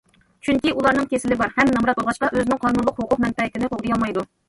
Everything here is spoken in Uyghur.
چۈنكى ئۇلارنىڭ كېسىلى بار ھەم نامرات بولغاچقا، ئۆزىنىڭ قانۇنلۇق ھوقۇق مەنپەئەتىنى قوغدىيالمايدۇ.